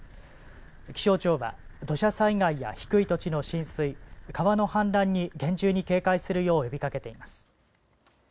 気象庁は土砂災害や低い土地の浸水、川の氾濫に厳重に警戒するよう呼びかけています。